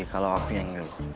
kalau aku yang dulu